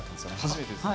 初めてです。